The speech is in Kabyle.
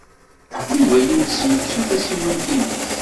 Yuba yules yettu tasiwant-nnes.